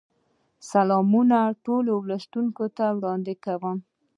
سلامونه ټولو لوستونکو ته وړاندې کوم.